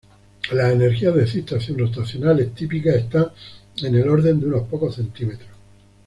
Las energías de excitación rotacionales típicas están en el orden de unos pocos cm.